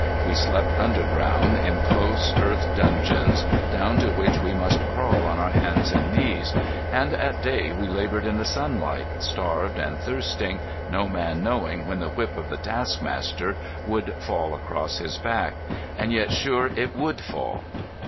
We slept underground in close, earth dungeons, down to which we must crawl on our hands and knees; and at day we laboured in the sunlight, starved and thirsting, no man knowing when the whip of the taskmaster would fall across his back, and yet sure that it would fall.